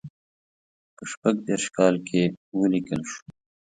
په شپږ دېرش کال کې ولیکل شو.